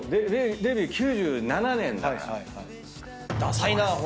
デビュー９７年だから。